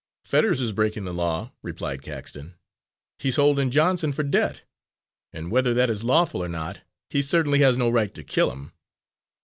"Fetters is breaking the law," replied Caxton. "He's holding Johnson for debt and whether that is lawful or not, he certainly has no right to kill him."